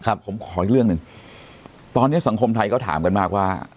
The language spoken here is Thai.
ครับผมขออีกเรื่องหนึ่งตอนนี้สังคมไทยเขาถามกันมากว่า